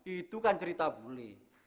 itu kan cerita bule